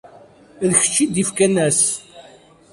D kečč i d-ifkan ass.